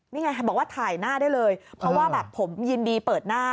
นี่ไงบอกว่าถ่ายหน้าได้เลยเพราะว่าแบบผมยินดีเปิดหน้า